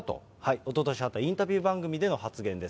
おととしあったインタビュー番組での発言です。